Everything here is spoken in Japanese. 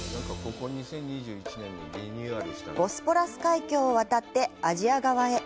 ボスポラス海峡を渡ってアジア側へ。